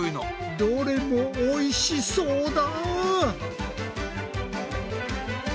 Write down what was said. どれもおいしそうだ！